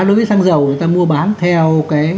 đối với xăng dầu người ta mua bán theo